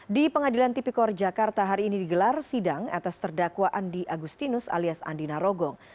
di pengadilan tipikor jakarta hari ini digelar sidang atas terdakwa andi agustinus alias andi narogong